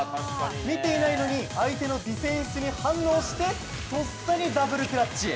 見ていないのに相手のディフェンスに反応してとっさにダブルクラッチ。